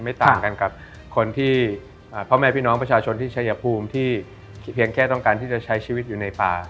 ต่างกันกับคนที่พ่อแม่พี่น้องประชาชนที่ชายภูมิที่เพียงแค่ต้องการที่จะใช้ชีวิตอยู่ในป่า